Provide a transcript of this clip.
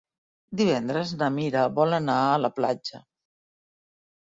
Divendres na Mira vol anar a la platja.